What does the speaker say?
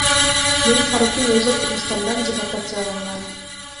Кийин Фаруктун өзү Кыргызстандан департацияланган.